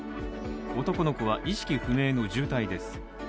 男の子は意識不明の重体です。